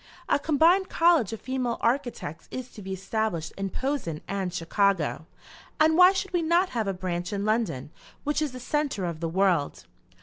A combined college of female architects is to be established in Posen and Chicago, and why should we not have a branch in London, which is the centre of the world?"